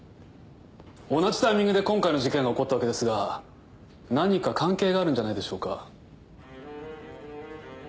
同じタイミングで今回の事件が起こったわけですが何か関係があるんじゃないでしょうか？